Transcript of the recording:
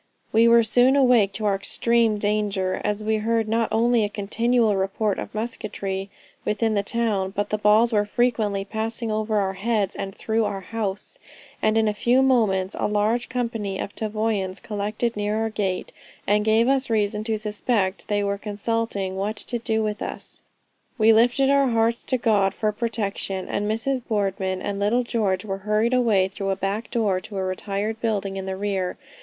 We were soon awake to our extreme danger, as we heard not only a continual report of musketry within the town, but the balls were frequently passing over our heads and through our house; and in a few moments, a large company of Tavoyans collected near our gate, and gave us reason to suspect they were consulting what to do with us. We lifted our hearts to God for protection, and Mrs. Boardman and little George were hurried away through a back door to a retired building in the rear.